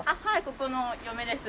ここの嫁です。